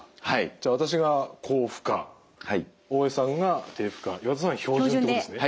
じゃあ私が高負荷大江さんが低負荷岩田さんは標準ということですね。